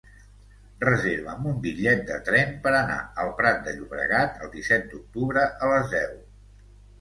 Reserva'm un bitllet de tren per anar al Prat de Llobregat el disset d'octubre a les deu.